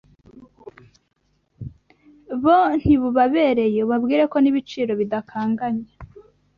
bo ntibubabereye ubabwire ko n’ibiciro bidakanganye